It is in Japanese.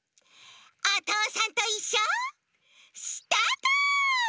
「おとうさんといっしょ」スタート！